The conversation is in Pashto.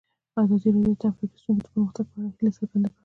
ازادي راډیو د ټرافیکي ستونزې د پرمختګ په اړه هیله څرګنده کړې.